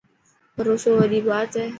ڀروسو وڏي بات هي.